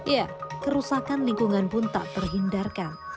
ya kerusakan lingkungan pun tak terhindarkan